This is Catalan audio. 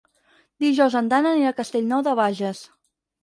Dijous en Dan anirà a Castellnou de Bages.